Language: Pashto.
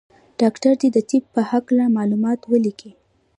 ډاکټر دي د طب په هکله معلومات ولیکي.